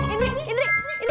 indri indri indri